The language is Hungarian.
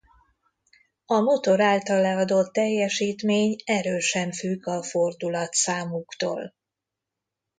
A motor által leadott teljesítmény erősen függ a fordulatszámuktól.